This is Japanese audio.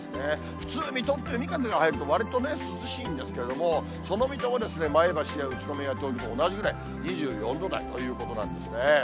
普通、水戸って、海風が入るとわりとね、涼しいんですけれども、その水戸も前橋や宇都宮と同じくらい、２４度台ということなんですね。